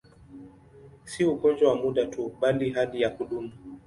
Si ugonjwa wa muda tu, bali hali ya kudumu.